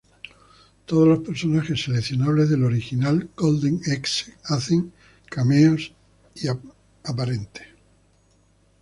Todos los personajes seleccionables del Original "Golden Axe" hacen cameos apariencias.